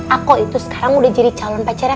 aku itu sekarang udah jadi calon pacarnya